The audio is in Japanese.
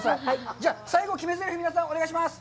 じゃあ、最後、決めぜりふをお願いします。